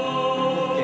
ＯＫ。